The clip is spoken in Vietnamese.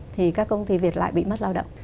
thì các công ty việt lại bị mất lao động